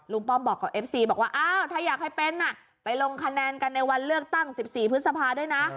ป้อมบอกกับเอฟซีบอกว่าอ้าวถ้าอยากให้เป็นไปลงคะแนนกันในวันเลือกตั้ง๑๔พฤษภาด้วยนะ